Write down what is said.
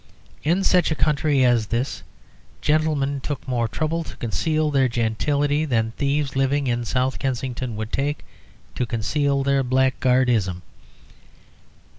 In such a country as this, gentlemen took more trouble to conceal their gentility than thieves living in South Kensington would take to conceal their blackguardism.